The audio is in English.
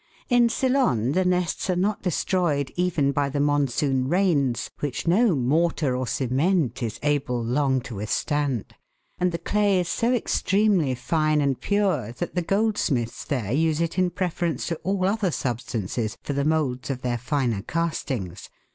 In Ceylon the nests are not destroyed even by the monsoon rains, which no mortar or cement is able long to withstand, and the clay is so extremely fine and pure that the goldsmiths there use it in preference to all other substances for the moulds of their finer castings.